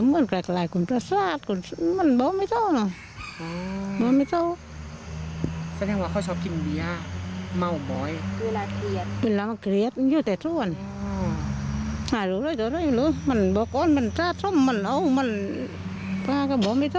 รู้สึกว่าลูกชายชอบกินเบียบ่อยมาก